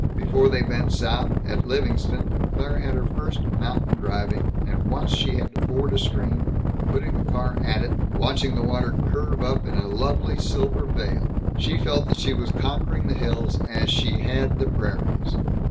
Before they bent south, at Livingston, Claire had her first mountain driving, and once she had to ford a stream, putting the car at it, watching the water curve up in a lovely silver veil. She felt that she was conquering the hills as she had the prairies.